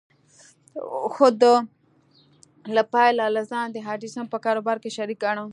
خو ده له پيله لا ځان د ايډېسن په کاروبار کې شريک ګاڼه.